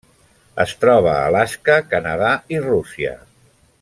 Es troba a Alaska, Canadà i Rússia.